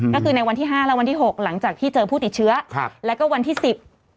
ก็คือในวันที่ห้าและวันที่หกหลังจากที่เจอผู้ติดเชื้อครับแล้วก็วันที่สิบ